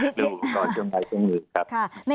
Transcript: พี่พิษตอนเดี๋ยวใครต้องหืนครับ